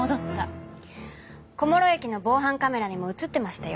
小諸駅の防犯カメラにも映ってましたよ